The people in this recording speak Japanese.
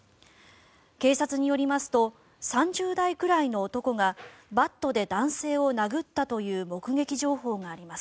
警察によりますと３０代くらいの男がバットで男性を殴ったという目撃情報があります。